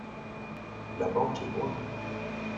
La banque est loin ?